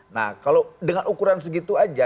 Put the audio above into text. nah kalau dengan ukuran segitu aja